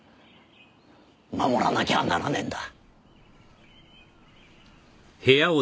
守らなきゃならねえんだ。